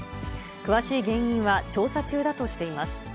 詳しい原因は調査中だとしています。